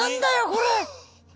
⁉これ。